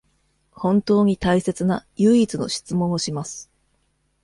本当に大切な唯一の質問をします